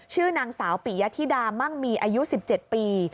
ชื่อนางสาวปิยธิดามั่งมีอายุ๑๗ปี